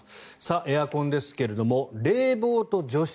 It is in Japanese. エアコンですが冷房と除湿。